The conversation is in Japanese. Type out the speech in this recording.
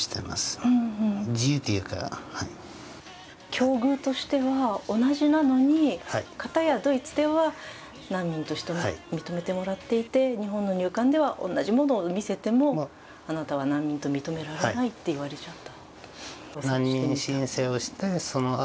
境遇としては同じなのに、片やドイツでは難民として認めてもらっていて日本の入管では同じものを見せても、あなたは難民と認められないと言われちゃった。